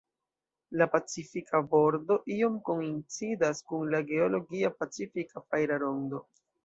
La "Pacifika Bordo" iom koincidas kun la geologia Pacifika fajra rondo.